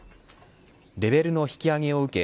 レベルの引き上げを受け